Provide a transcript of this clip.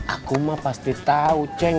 aku mah pasti tahu ceng